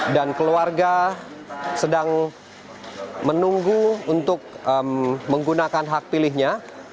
dan keluarga sedang menunggu untuk menggunakan hak pilihnya